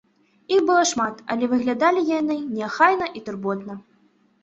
Іх было шмат, але выглядалі яны неахайна і турботна.